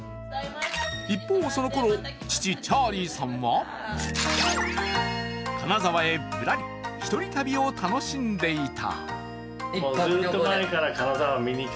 一方、そのころ、父・チャーリーさんは金沢へぶらり一人旅を楽しんでいた。